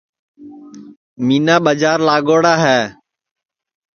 مینا ٻجار لاڳوڑا ہے